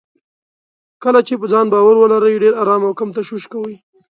کله چې په ځان باور ولرئ، ډېر ارام او کم تشويش کوئ.